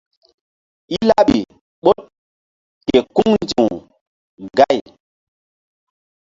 I laɓi ɓoɗ ke kuŋ ndi̧w gay.